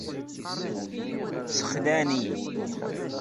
Sxelɛen-iyi.